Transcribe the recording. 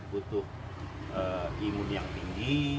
butuh imun yang tinggi